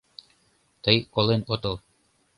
Тый колен отыл.